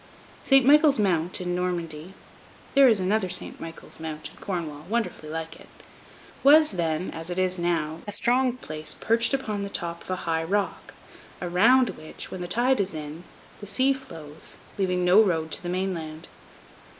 St. Michael's Mount, in Normandy (there is another St. Michael's Mount, in Cornwall, wonderfully like it), was then, as it is now, a strong place perched upon the top of a high rock, around which, when the tide is in, the sea flows, leaving no road to the mainland.